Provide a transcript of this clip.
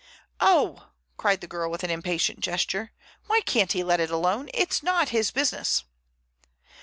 "Oh!" cried the girl with an impatient gesture. "Why can't he let it alone? It's not his business."